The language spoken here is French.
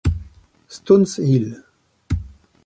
Stone’s Hill